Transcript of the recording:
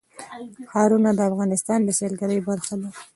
ښارونه د افغانستان د سیلګرۍ برخه ده.